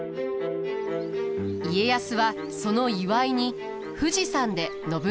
家康はその祝いに富士山で信長をもてなします。